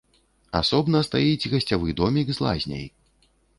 Асобна стаіць гасцявы домік з лазняй.